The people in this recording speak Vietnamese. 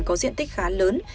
có diện tích khá lớn